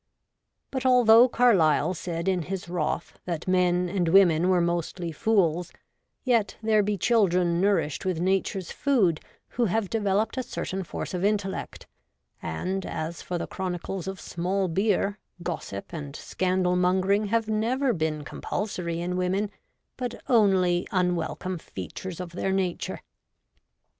But although Carlyle said in his wrath that men and women were mostly fools, yet there be children nourished with nature's food who have developed a certain force of intellect ; and as for the chronicles of small beer, gossip and scandal mon gering have never been compulsory in women, but only unwelcome features of their nature.